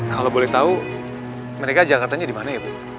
kalau boleh tahu mereka jakartanya di mana ibu